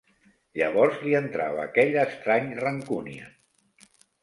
Llavors li entrava aquella estrany rancúnia